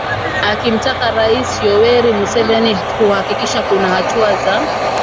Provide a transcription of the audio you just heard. akimtaka Rais Yoweri Museveni kuhakikisha kuna hatua za